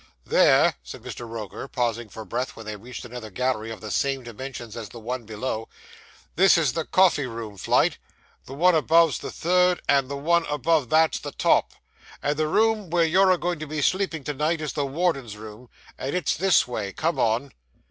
'There,' said Mr. Roker, pausing for breath when they reached another gallery of the same dimensions as the one below, 'this is the coffee room flight; the one above's the third, and the one above that's the top; and the room where you're a going to sleep to night is the warden's room, and it's this way come on.